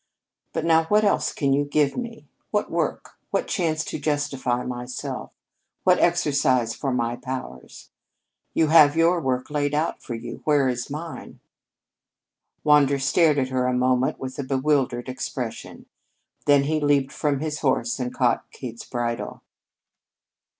But now what else can you give me what work what chance to justify myself, what exercise for my powers? You have your work laid out for you. Where is mine?" Wander stared at her a moment with a bewildered expression. Then he leaped from his horse and caught Kate's bridle.